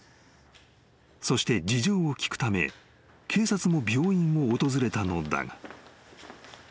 ［そして事情を聴くため警察も病院を訪れたのだが］